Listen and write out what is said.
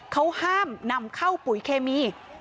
เขาห้ามนำเข้าปุ๋ยเคมี